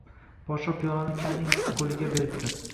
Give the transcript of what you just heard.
Podsho piyolani kalning qo‘liga beribdi